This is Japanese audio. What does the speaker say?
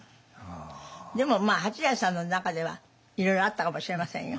でも八大さんの中ではいろいろあったかもしれませんよ。